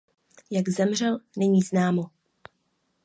Jak zemřel není známo.